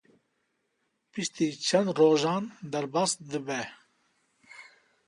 Piştî çend rojan derbas dibe.